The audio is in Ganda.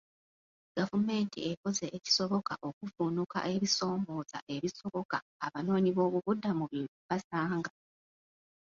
Gavumenti ekoze ekisoboka okuvvuunuka ebisoomooza ebisoboka abanoonyiboobubudamu bye basanga.